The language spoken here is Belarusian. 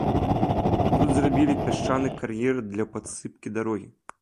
Тут зрабілі пясчаны кар'ер для падсыпкі дарогі.